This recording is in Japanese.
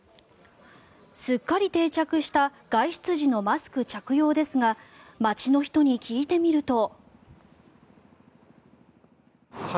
すっかり定着した外出時のマスク着用ですが街の人に聞いてみると。